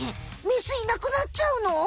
メスいなくなっちゃうの？